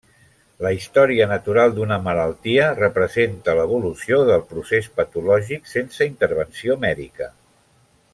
La història natural d'una malaltia representa l'evolució del procés patològic sense intervenció mèdica.